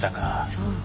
そう。